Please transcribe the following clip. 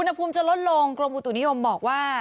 อุณหภูมิจะลดลงกรมอุตุนิยมบอกว่า